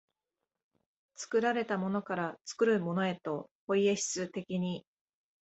作られたものから作るものへと、ポイエシス的に、